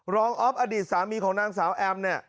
รองอ๊อฟอดีตสามีของนางสาวแอม